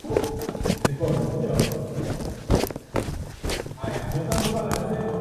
Magonjwa mengine yanayokabili viazi lishe ni kama Sweet Potato Chlorotic Stunt virus SPCSV